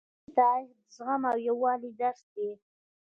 د هند تاریخ د زغم او یووالي درس دی.